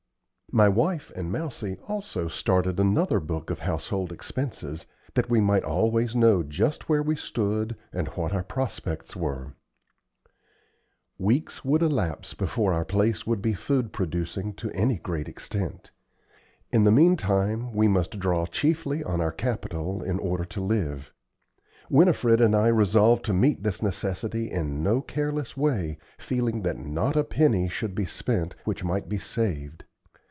My wife and Mousie also started another book of household expenses, that we might always know just where we stood and what our prospects were. Weeks would elapse before our place would be food producing to any great extent. In the meantime we must draw chiefly on our capital in order to live. Winifred and I resolved to meet this necessity in no careless way, feeling that not a penny should be spent which might be saved.